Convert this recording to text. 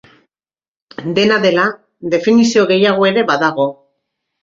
Dena dela, definizio gehiago ere badago.